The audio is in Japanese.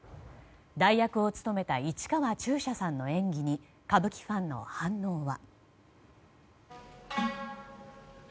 代役を務めた市川中車さんの演技に歌舞伎ファンの反応は。